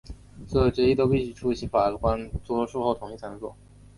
所有决议都必须在出席法官多数同意后才能做出。